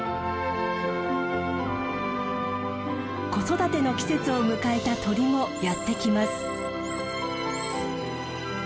子育ての季節を迎えた鳥もやって来ます。